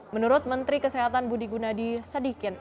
menurut menteri kesehatan budi gunadi sadikin